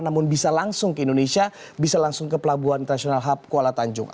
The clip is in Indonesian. namun bisa langsung ke indonesia bisa langsung ke pelabuhan international hub kuala tanjung